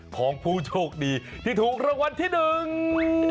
ของผู้โชคดีที่ถูกรางวัลที่หนึ่ง